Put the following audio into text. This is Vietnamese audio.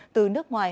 từ nước ngoài